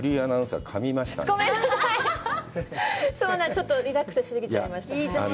ちょっとリラックスし過ぎちゃいました。